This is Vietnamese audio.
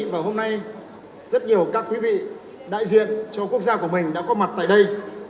và hôm nay rất nhiều các quý vị đại diện cho quốc gia của mình đã có mặt tại đây